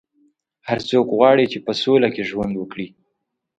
هر څوک غواړي چې په سوله کې ژوند وکړي.